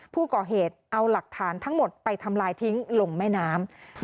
ผู้ก่อเหตุเอาหลักฐานทั้งหมดไปทำลายทิ้งลงแม่น้ำ